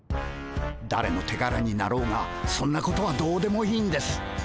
だれの手柄になろうがそんなことはどうでもいいんです。